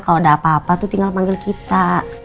kalau ada apa apa tuh tinggal panggil kita